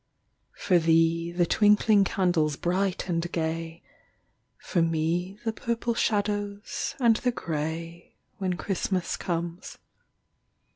For thee, the twinkling candles bright and gay, For me, the purple shadows and the grey, When Christmas comes.